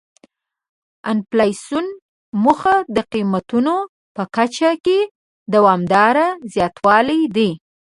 د انفلاسیون موخه د قیمتونو په کچه کې دوامداره زیاتوالی دی.